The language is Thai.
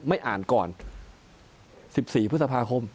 ไม่อ่านก่อน๑๔พฤษภาคม